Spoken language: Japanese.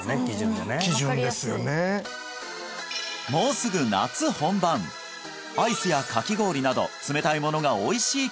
分かりやすいもうすぐ夏本番アイスやかき氷など冷たいものがおいしい